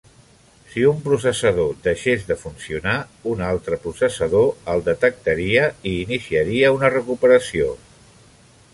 Si un processador deixés de funcionar, un altre processador el detectaria i iniciaria una recuperació.